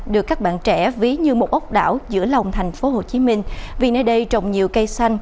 được các bạn trẻ ví như một ốc đảo giữa lòng tp hcm vì nơi đây trồng nhiều cây xanh